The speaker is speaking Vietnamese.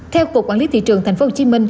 theo cục quản lý thị trường tp hcm